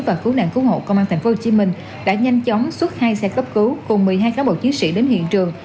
và cứu nạn cứu hộ công an tp hcm đã nhanh chóng xuất hai xe cấp cứu cùng một mươi hai cán bộ chiến sĩ đến hiện trường